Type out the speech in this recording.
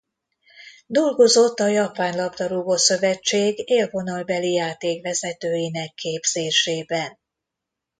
Dolgozott a Japán labdarúgó-szövetség élvonalbeli játékvezetőinek képzésében.